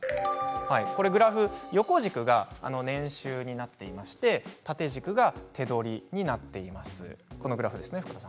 横軸が年収になっていまして縦軸が手取りになっています。